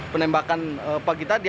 penembakan pagi tadi